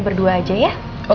berdua aja ya